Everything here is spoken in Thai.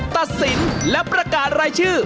ตัดสินและประกาศรายชื่อ